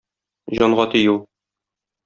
Җанга тию.